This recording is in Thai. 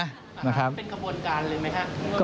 เป็นขบวนการเลยไหมครับ